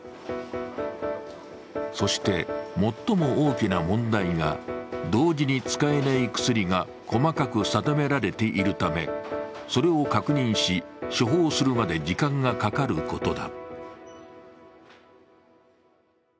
そして、最も大きな問題が同時に使えない薬が細かく定められているため、それを確認し、処方するまで時間がかかることだ。